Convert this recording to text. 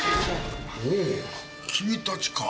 おお君たちか。